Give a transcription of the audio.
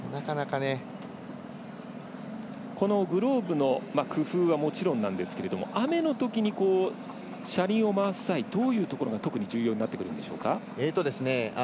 このグローブの工夫はもちろんなんですけど雨のときに車輪を回す際どういうところが重要になってくるんですか？